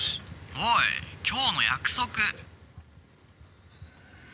おい今日の約束！